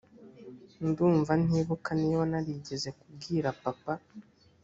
ndumva ntibuka niba narigeze kubwira papa